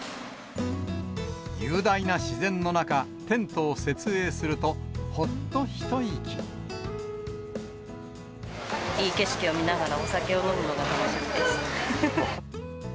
雄大な自然の中、テントを設営すいい景色を見ながら、お酒を飲むのが楽しみです。